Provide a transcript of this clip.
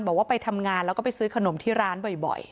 บอกว่าไปทำงานแล้วก็ไปซื้อขนมที่ร้านบ่อย